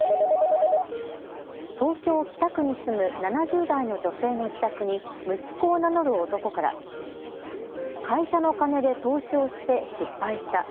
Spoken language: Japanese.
東京・北区に住む７０代の女性の自宅に息子を名乗る男から会社の金で投資をして失敗した。